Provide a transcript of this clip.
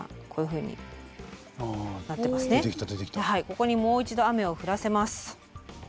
ここにもう一度雨を降らせます。